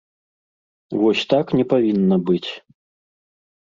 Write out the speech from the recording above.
Вось так не павінна быць.